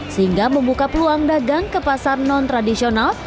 sehingga membuka peluang dagang ke pasar non tradisional